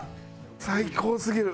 最高すぎる。